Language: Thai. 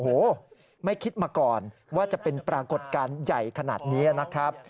โอ้โหไม่คิดมาก่อนว่าจะเป็นปรากฏการณ์ใหญ่ขนาดนี้นะครับ